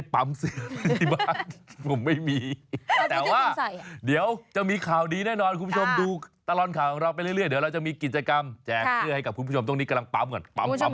ผมไม่ได้ปั๊มเสื้อไปที่บ้าน